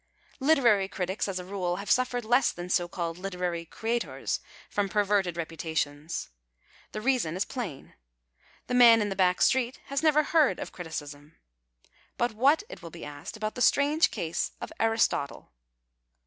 Literary critics, as a rule, have suffered less than so called literary " creators "' from i)crverted repu tations. The reason is plain. The man in the back street has never heard of criticism. But what, it will be asked, about the strange case of Aristotle